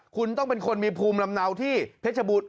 คุณต้องเป็นคนมีภูมิลำเนาที่เพชรบูรณ